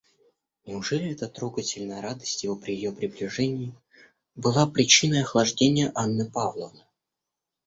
Неужели эта трогательная радость его при ее приближении была причиной охлаждения Анны Павловны?